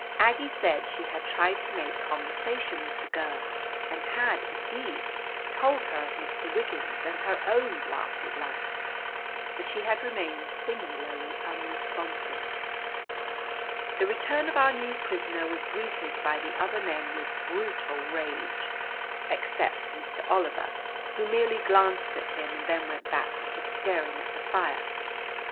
Aggie said she had tried to make conversation with the girl, and had, indeed, told her of Mr. Wiggins and her own blasted life. But she had remained singularly unresponsive. The return of our new prisoner was greeted by the other men with brutal rage, except Mr. Oliver, who merely glanced at him and then went back to his staring at the fire.